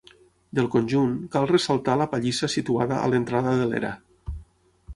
Del conjunt, cal ressaltar la pallissa situada a l'entrada de l'era.